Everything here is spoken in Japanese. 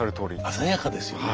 鮮やかですよね。